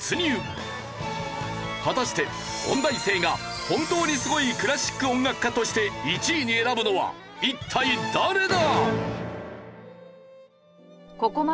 果たして音大生が本当にスゴいクラシック音楽家として１位に選ぶのは一体誰だ？